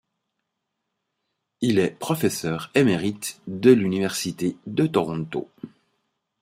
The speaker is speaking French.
Il est professeur émérite de l'Université de Toronto.